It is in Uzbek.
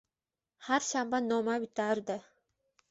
har shanba noma bitardi.